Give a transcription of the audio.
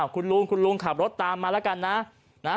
คุณลุงคุณลุงขับรถตามมาแล้วกันนะ